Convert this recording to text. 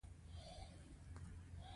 پېوه کې مېله پای ته ورسېده او لمونځ خلاص شو.